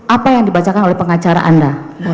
apa yang dibacakan oleh pengacara anda